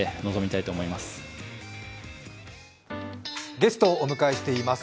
ゲストをお迎えしています。